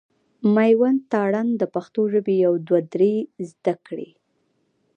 مېوند تارڼ د پښتو ژبي يو دوه درې زده کړي.